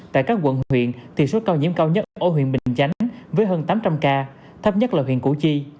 tại các quận huyện thì số ca nhiễm cao nhất ở huyện bình chánh với hơn tám trăm linh ca thấp nhất là huyện củ chi